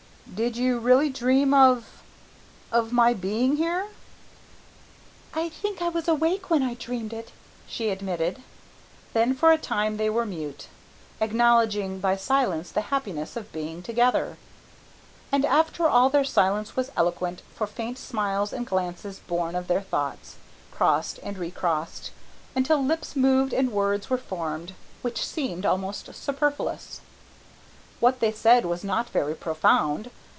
"Did you really dream of, of my being here?" "I think I was awake when I dreamed it," she admitted. Then for a time they were mute, acknowledging by silence the happiness of being together. And after all their silence was eloquent, for faint smiles, and glances born of their thoughts, crossed and recrossed, until lips moved and words were formed, which seemed almost superfluous. What they said was not very profound.